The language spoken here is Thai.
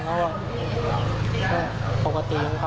ใช่ผมคิดว่าเขาคงอาจจะไม่เป็นไรแหละ